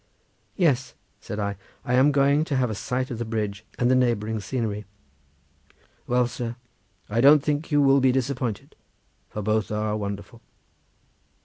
"Yes!" said I, "I am going to have a sight of the bridge and the neighbouring scenery." "Well, sir, I don't think you will be disappointed, for both are wonderful."